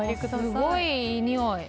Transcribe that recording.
すごい、いいにおい。